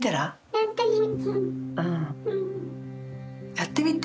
やってみる。